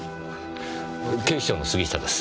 警視庁の杉下です。